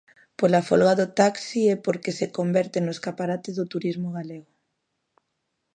Pola folga do taxi e porque se converte no escaparate do turismo galego.